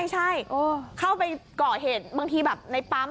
ใช่เข้าไปก่อเหตุบางทีแบบในปั๊ม